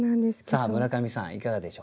さあ村上さんいかがでしょうか？